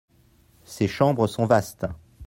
Ses chambres sont vastes.